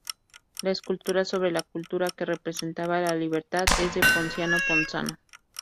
La escultura sobre la cubierta, que representa a la Libertad, es de Ponciano Ponzano.